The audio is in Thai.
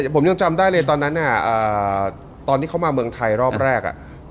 ผมยังจำได้เลยตอนนั้นตอนที่เขามาเมืองไทยรอบแรก